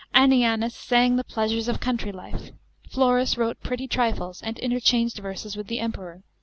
ANNIANUS sang the pleasures of country life. FLORUS wrote pretty trifles, and interchanged verses with the Emperor.